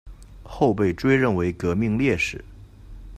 后被追认为革命烈士。